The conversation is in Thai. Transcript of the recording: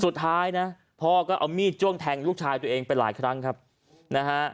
สุดท้ายนะพ่อก็เอามีดจ้วงแทงลูกชายตัวเองไปหลายครั้งครับนะฮะ